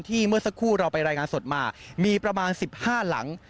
เมื่อสักครู่เราไปรายงานสดมามีประมาณ๑๕หลัง